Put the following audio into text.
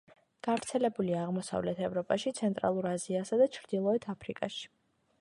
გავრცელებულია აღმოსავლეთ ევროპაში, ცენტრალურ აზიასა და ჩრდილოეთ აფრიკაში.